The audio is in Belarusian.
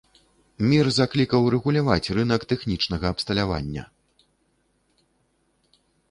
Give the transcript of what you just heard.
Мір заклікаў рэгуляваць рынак тэхнічнага абсталявання.